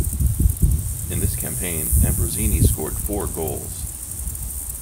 In this campaign, Ambrosini scored four goals.